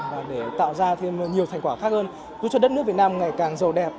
và để tạo ra thêm nhiều thành quả khác hơn giúp cho đất nước việt nam ngày càng giàu đẹp